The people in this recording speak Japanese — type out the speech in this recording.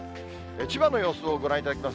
千葉の様子をご覧いただきます。